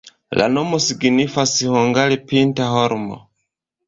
La nomo signifas hungare pinta-holmo.